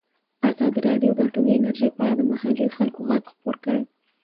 ازادي راډیو د اټومي انرژي په اړه د محلي خلکو غږ خپور کړی.